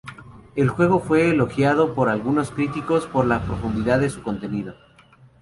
El juego fue elogiado por algunos críticos por la profundidad de su contenido.